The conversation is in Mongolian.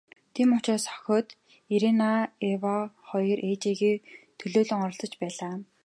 Тийм учраас охид нь, Ирене Эве хоёр ээжийгээ төлөөлөн оролцож байлаа.